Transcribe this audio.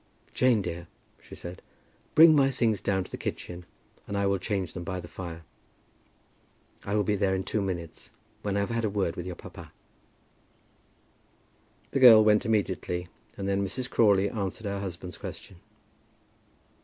"Jane, dear," she said, "bring my things down to the kitchen and I will change them by the fire. I will be there in two minutes, when I have had a word with your papa." The girl went immediately and then Mrs. Crawley answered her husband's question.